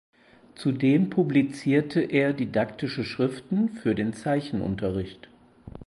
Zudem publizierte er didaktische Schriften für den Zeichenunterricht.